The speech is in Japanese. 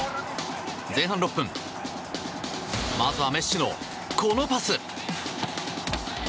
前半６分、まずはメッシのこのパス！